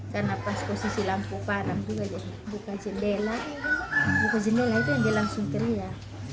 karena pas posisi lampu panam juga buka jendela buka jendela itu dia langsung kering ya